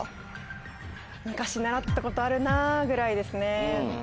昔習ったことあるなぁぐらいですね。